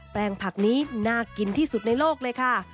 แปลงผักนี้น่ากินที่สุดในโลกเลยค่ะ